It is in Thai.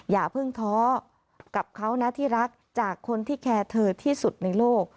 อย่าเพิ่งท้อกับเขานะที่รักจากคนที่แคร์เธอที่สุดในโลก